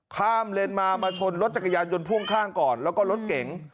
เลนมามาชนรถจักรยานยนต์พ่วงข้างก่อนแล้วก็รถเก๋ง